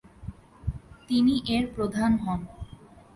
তিনি এর প্রধান হন।